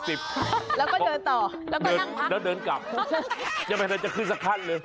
แล้วก็เดินต่อแล้วก็นั่งหรือเปล่าแล้วเดินกลับยังไม่ได้จะขึ้นสักขั้นเลย